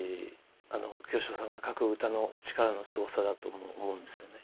あの清志郎さんが書く歌の力のすごさだと思うんですよね。